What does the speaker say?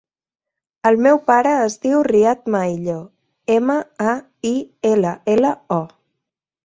El meu pare es diu Riad Maillo: ema, a, i, ela, ela, o.